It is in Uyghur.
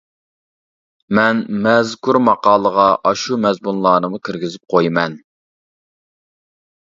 مەن مەزكۇر ماقالىغا ئاشۇ مەزمۇنلارنىمۇ كىرگۈزۈپ قويىمەن.